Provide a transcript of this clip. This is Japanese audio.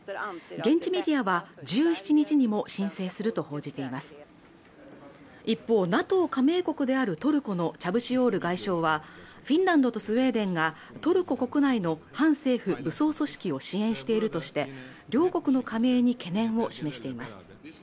現地メディアは１７日にも申請すると報じています一方、ＮＡＴＯ加盟国であるトルコのチャブシオール外相はフィンランドとスウェーデンがトルコ国内の反政府武装組織を支援しているとして両国の加盟に懸念を示しています